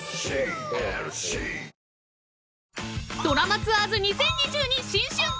［『ドラマツアーズ２０２２新春』